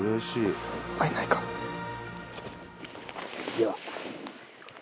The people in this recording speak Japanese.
では。